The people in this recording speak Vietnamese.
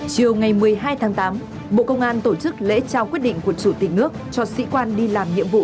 chiều ngày một mươi hai tháng tám bộ công an tổ chức lễ trao quyết định của chủ tịch nước cho sĩ quan đi làm nhiệm vụ